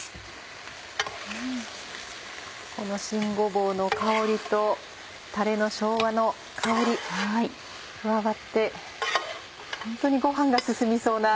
この新ごぼうの香りとたれのしょうがの香り加わってホントにご飯が進みそうな。